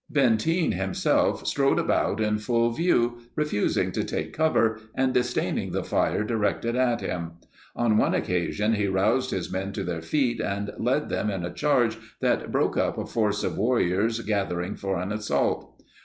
Benteen himself strode about in full view, refusing to take cover and disdaining the fire directed at him. On one occasion he roused his men to their feet and led them in a charge that broke up a force of warriors gathering for an assault.